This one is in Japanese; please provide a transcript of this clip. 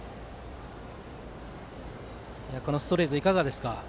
あのストレート、いかがですか？